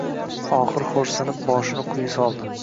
Oxir xo`rsinib boshini quyi soldi